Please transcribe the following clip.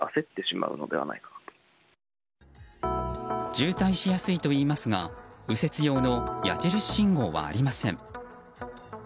渋滞しやすいといいますが右折用の矢印信号はありません。